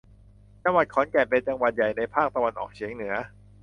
จังหวัดขอนแก่น เป็นจังหวัดใหญ่ในภาคตะวันออกเฉียงเหนือ